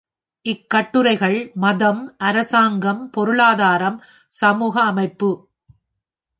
இக் கட்டுரைகள் மதம், அரசாங்கம், பொருளாதாரம், சமூக அமைப்பு.